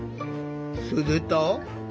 すると。